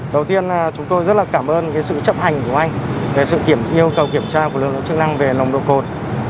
đầu tiên chúng tôi rất là cảm ơn sự chấp hành của anh về sự yêu cầu kiểm tra của lực lượng chức năng về nồng độ cồn